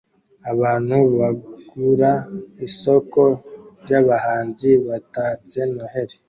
Abantu bagura isoko ryabahinzi batatse Noheri